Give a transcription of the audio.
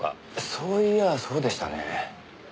そういやそうでしたね。